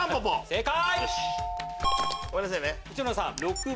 正解。